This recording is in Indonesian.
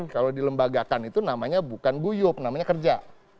kalau dilembagakan itu namanya bukan guyup namanya kerja